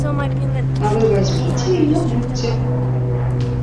А вы вазьміце й набудзьце.